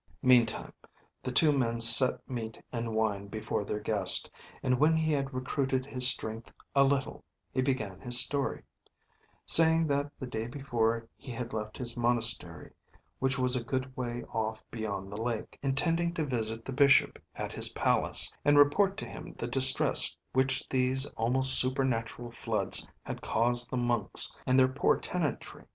Meantime the two men set meat and wine before their guest, and when he had recruited his strength a little, he began his story; saying that the day before he had left his monastery, which was a good way off beyond the lake, intending to visit the bishop at his palace, and report to him the distress which these almost supernatural floods had caused the monks and their poor tenantry.